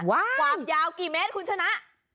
ความยาวกี่เมตรคุณชนะ